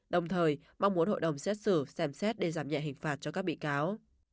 đồng thời mong muốn hội đồng xét xử xem xét để giảm nhẹ hình phạt cho các bị cáo